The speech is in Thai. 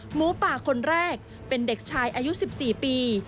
หมูป่าคนแรกเป็นเด็กชายอายุ๑๔ปี